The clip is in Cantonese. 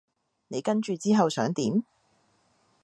你跟住之後想點？